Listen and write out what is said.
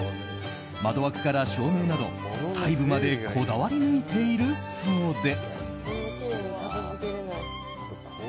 窓枠から照明など、細部までこだわり抜いているそうで。